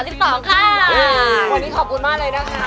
วันนี้ขอบคุณมากเลยนะคะ